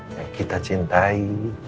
yang kita cintai